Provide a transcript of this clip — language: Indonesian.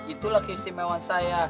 itulah keistimewaan saya